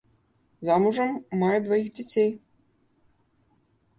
Замужам, мае дваіх дзяцей.